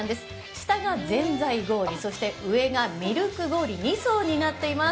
下がぜんざい氷、そして上がミルク氷の２層になっています。